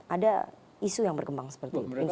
ada isu yang berkembang seperti itu